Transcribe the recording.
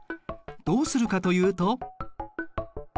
どうするかというと。